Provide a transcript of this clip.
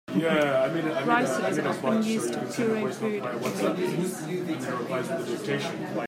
Ricers are often used to puree food for babies.